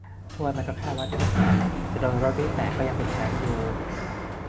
ถ้วยมันก็แค่วัตถุน่า จะโดนรถบี้แตกก็ยังเป็นแชมป์อยู่